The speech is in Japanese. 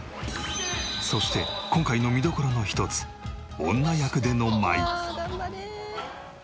そして今回の見どころの一つ女役での舞。